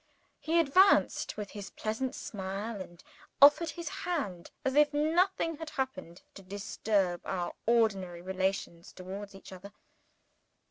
_ He advanced with his pleasant smile, and offered his hand as if nothing had happened to disturb our ordinary relations towards each other.